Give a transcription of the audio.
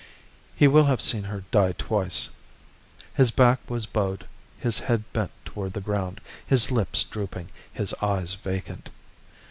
He will have seen her die twice. His back was bowed, his head bent toward the ground, his lips drooping, his eyes vacant.